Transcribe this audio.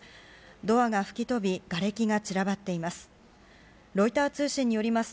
ドアが吹き飛びがれきが散らばっています。